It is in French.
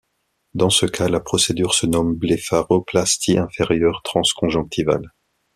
Dans ce cas, la procédure se nomme blépharoplastie inférieure transconjonctivale.